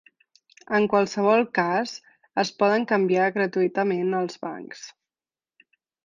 En qualsevol cas, es poden canviar gratuïtament als bancs.